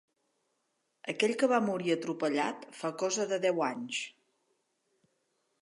Aquell que va morir atropellat fa cosa de deu anys.